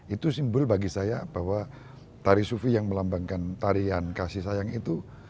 itu simbol bagi saya bahwa tari sufi yang melambangkan tarian kasih sayang itu